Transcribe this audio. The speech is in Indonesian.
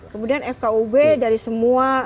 kemudian fkub dari semua